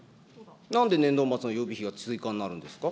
なんで年度末の予備費が追加になるんですか。